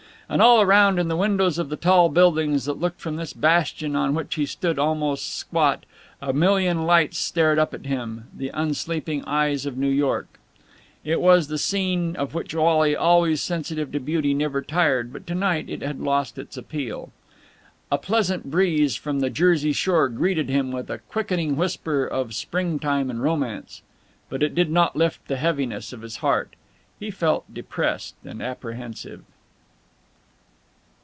And all around, in the windows of the tall buildings that looked from this bastion on which he stood almost squat, a million lights stared up at him, the unsleeping eyes of New York. It was a scene of which Wally, always sensitive to beauty, never tired: but to night it had lost its appeal. A pleasant breeze from the Jersey shore greeted him with a quickening whisper of springtime and romance, but it did not lift the heaviness of his heart. He felt depressed and apprehensive.